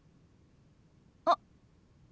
あっ。